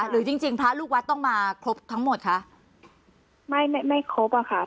จริงจริงพระลูกวัดต้องมาครบทั้งหมดคะไม่ไม่ครบอะค่ะ